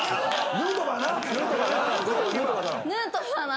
ヌートバーな。